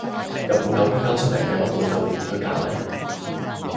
日本有邊間出名嘅温度酒店推介